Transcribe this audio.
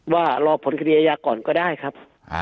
รอผลคดีอาญาก่อนก็ได้ครับ